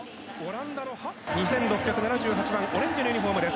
２６７８番オレンジのユニホームです。